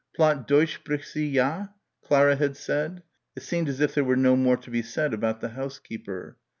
"Platt Deutsch spricht sie, ja?" Clara had said. It seemed as if there were no more to be said about the housekeeper.